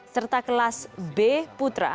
serta kelas b putra